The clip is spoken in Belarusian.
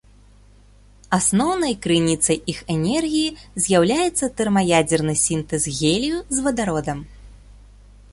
Асноўнай крыніцай іх энергіі з'яўляецца тэрмаядзерны сінтэз гелію з вадародам.